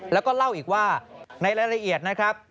แล้วก็เล่าอีกว่าในรายละเอียดนะครับ